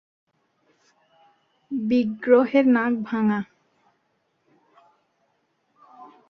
বিগ্রহের নাক ভাঙ্গা।